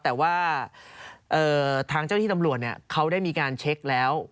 แต่ว่าทางเจ้าที่ตำรวจเขาได้มีการเช็คแล้ว